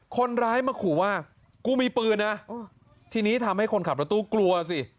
คนร้ายมาขู่ว่ากูมีปืนนะทีนี้ทำให้คนขับรถตู้กลัวสิ